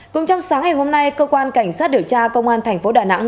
cũng trong sáng ngày hôm nay cơ quan cảnh sát điều tra công an thành phố đà nẵng